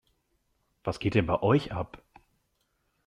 Was geht denn bei euch ab?